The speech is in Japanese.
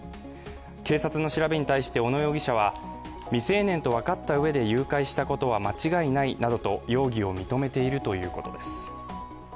警察の調べに対して小野容疑者は未成年と分かったうえで誘拐したことは間違いないなどと容疑を認めているということです。